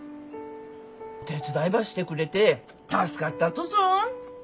手伝いばしてくれて助かったとぞ。